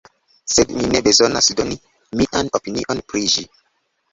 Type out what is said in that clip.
Sed mi ne bezonas doni mian opinion pri ĝi.